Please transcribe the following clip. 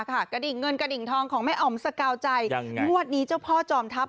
กระดิ่งเงินกระดิ่งทองของแม่อ๋อมสกาวใจงวดนี้เจ้าพ่อจอมทัพ